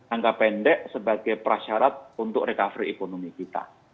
angka pendek sebagai prasyarat untuk recovery ekonomi kita